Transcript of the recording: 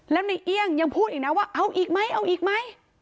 แล้วในเอี่ยงยังพูดอีกนะว่าเอาอีกไหมเอาอีกไหม